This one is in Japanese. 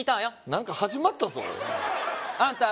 何か始まったぞあんた